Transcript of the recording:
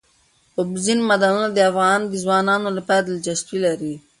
اوبزین معدنونه د افغان ځوانانو لپاره دلچسپي لري.